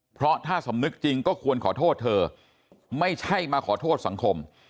เพราะถ้าสำนึกจริงก็ควรขอโทษเธอไม่ใช่มาขอโทษสังคม